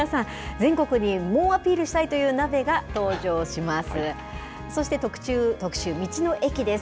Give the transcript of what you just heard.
全国に猛アピールしたいという鍋が登場します。